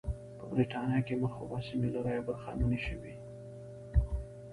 په برېټانیا کې مخروبه سیمې له رایو برخمنې شوې.